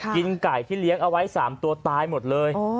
กินไก่ที่เลี้ยงเอาไว้๓ตัวตายหมดเลย